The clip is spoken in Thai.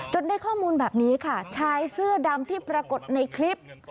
ได้ข้อมูลแบบนี้ค่ะชายเสื้อดำที่ปรากฏในคลิป